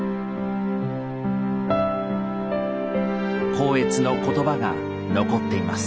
光悦の言葉が残っています。